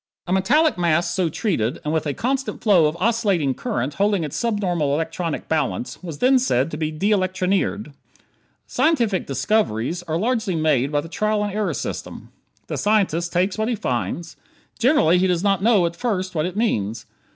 A metallic mass so treated and with a constant flow of oscillating current holding its subnormal electronic balance was then said to be de electronired. Scientific "discoveries" are largely made by the trial and error system. The scientist takes what he finds. Generally he does not know, at first, what it means.